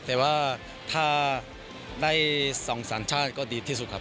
แต่ว่าถ้าได้๒สัญชาติก็ดีที่สุดครับ